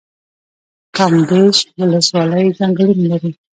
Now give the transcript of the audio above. کامدیش ولسوالۍ ځنګلونه لري؟